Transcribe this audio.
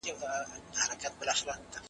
امیدوار اوسئ.